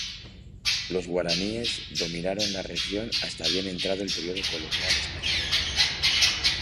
Los guaraníes dominaron la región hasta bien entrado el período colonial español.